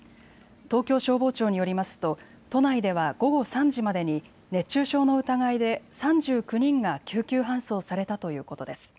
東京消防庁によりますと都内では午後３時までに熱中症の疑いで３９人が救急搬送されたということです。